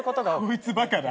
こいつバカだ。